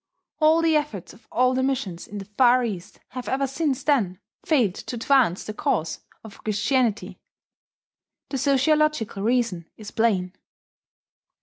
All the efforts of all the missions in the Far East have ever since then failed to advance the cause of Christianity. The sociological reason is plain.